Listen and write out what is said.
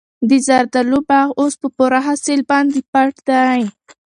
د زردالو باغ اوس په پوره حاصل باندې پټ دی.